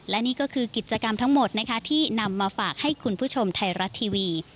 และนี่ก็คือกิจกรรมทั้งหมดนะคะที่นำมาฝากให้คุณผู้ชมไทยรัฐทีวี